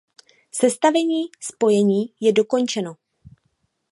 Sestavení spojení je dokončeno.